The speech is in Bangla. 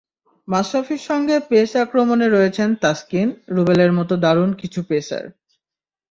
মাশরাফির সঙ্গে পেস আক্রমণে রয়েছেন তাসকিন, রুবেলের মতো দারুণ কিছু পেসার।